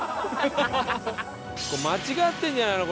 間違ってんじゃないの？